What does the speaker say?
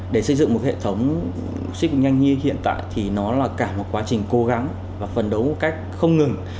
để xây dựng một hệ thống sức mạnh nhanh như hiện tại thì nó là cả một quá trình cố gắng và phần đấu một cách không ngừng